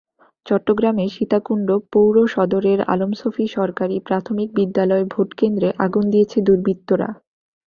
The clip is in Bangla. চট্টগ্রামের সীতাকুণ্ড পৌর সদরের আলম সফি সরকারি প্রাথমিক বিদ্যালয় ভোটকেন্দ্রে আগুন দিয়েছে দুর্বৃত্তরা।